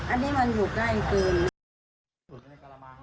อันนี้มันอยู่ใกล้เกิน